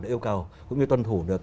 những yêu cầu cũng như tuân thủ được